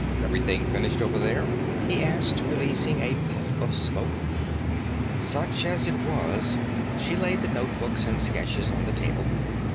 "Everything finished, over there?" he asked, releasing a puff of smoke. "Such as it was." She laid the notebooks and sketches on the table.